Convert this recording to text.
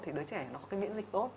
thì đứa trẻ nó có miễn dịch tốt